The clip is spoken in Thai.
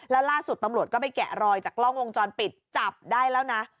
แล้วล่าสุดตำรวจก็ไปแกะรอยจากกล้องวงจรปิดจับได้แล้วนะ